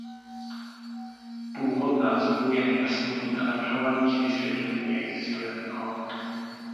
Původ názvu je nejasný a navrhovaných vysvětlení existuje mnoho.